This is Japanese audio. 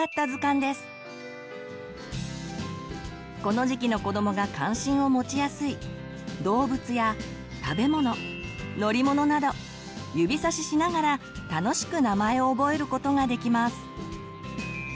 この時期の子どもが関心を持ちやすい「動物」や「食べ物」「乗り物」など指さししながら楽しく名前を覚えることができます。